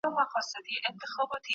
آیا اقلیم د انسان خوی بدلوي؟